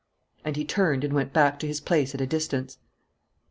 And he turned and went back to his place at a distance.